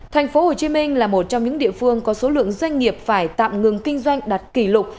thành phố hồ chí minh là một trong những địa phương có số lượng doanh nghiệp phải tạm ngừng kinh doanh đạt kỷ lục